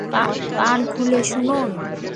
কান খুলে শুনুন!